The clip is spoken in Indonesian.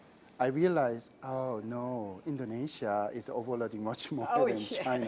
saya menyadari bahwa indonesia mengisi kelebihan lebih banyak dari china